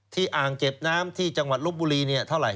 อ่างเก็บน้ำที่จังหวัดลบบุรีเท่าไหร